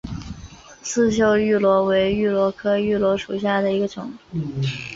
刺绣芋螺为芋螺科芋螺属下的一个种。